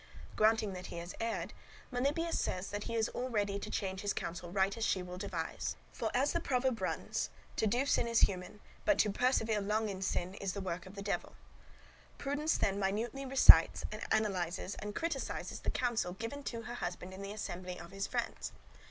Granting that he has erred, Melibœus says that he is all ready to change his counsel right as she will devise; for, as the proverb runs, to do sin is human, but to persevere long in sin is work of the Devil. Prudence then minutely recites, analyses, and criticises the counsel given to her husband in the assembly of his friends.